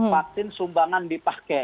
vaksin sumbangan dipakai